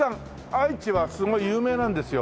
愛知はすごい有名なんですよ